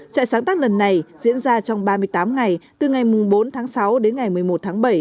trại sáng tác lần này diễn ra trong ba mươi tám ngày từ ngày bốn tháng sáu đến ngày một mươi một tháng bảy